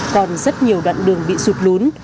còn rất nhiều đoạn đường bị sụp lún